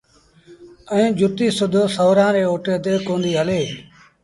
ائيٚݩ جُتيٚ سُڌو سُورآݩ ري اوٽي تي ڪونديٚ هلي